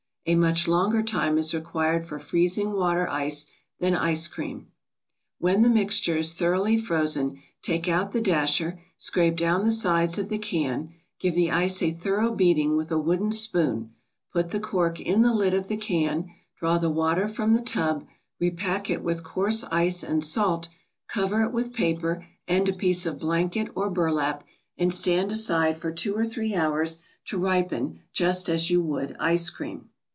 A much longer time is required for freezing water ice than ice cream. When the mixture is thoroughly frozen, take out the dasher, scrape down the sides of the can, give the ice a thorough beating with a wooden spoon; put the cork in the lid of the can, draw the water from the tub, repack it with coarse ice and salt, cover it with paper and a piece of blanket or burlap, and stand aside for two or three hours to ripen just as you would ice cream.